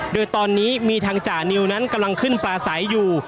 โดยตอนนี้มีทางจ่านิวนั้นกำลังขึ้นปลาใสอยู่